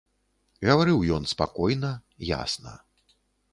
Гаварыў ён спакойна, ясна.